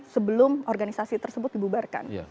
sebelum organisasi tersebut dibubarkan